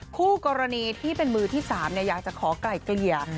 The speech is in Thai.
คู่กรณีที่เป็นมือที่๓อยากจะขอไกล่เกลี่ย